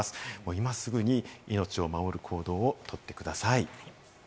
今すぐに命を守る行動をとってください。